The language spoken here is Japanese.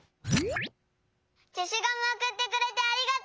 「けしごむおくってくれてありがとう！